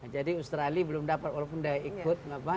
jadi australia belum dapat walaupun dia ikut